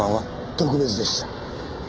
特別でした。